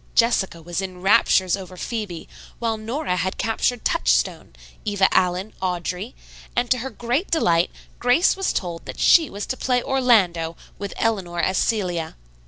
Jessica was in raptures over "Phebe," while Nora had captured "Touchstone," Eva Allen, "Audrey," and, to her great delight, Grace was told that she was to play "Orlando," with Eleanor as "Celia."